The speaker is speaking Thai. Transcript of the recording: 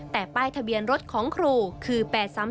แต่ป้ายทะเบียนรถของครูคือ๘๓๓